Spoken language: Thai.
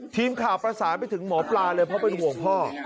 ทีมข่าวประสานไปถึงหมอปลาเลยเพราะเป็นห่วงพ่อ